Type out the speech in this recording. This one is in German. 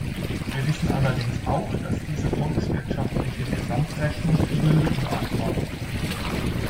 Wir wissen allerdings auch, dass diese volkswirtschaftliche Gesamtrechnung viele Lücken aufweist.